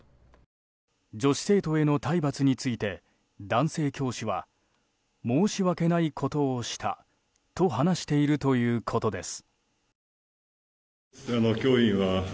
女子生徒への体罰について男性教師は申し訳ないことをしたと話しているということです。